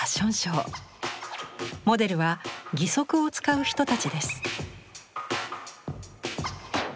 モデルは義足を使う人たちです。